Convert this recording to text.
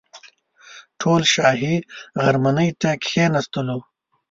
ټول شاهي غرمنۍ ته کښېنستلو.